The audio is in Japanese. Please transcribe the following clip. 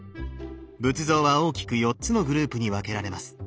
仏像は大きく４つのグループに分けられます。